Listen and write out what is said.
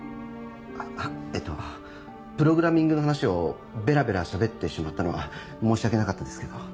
えっとプログラミングの話をベラベラしゃべってしまったのは申し訳なかったですけど。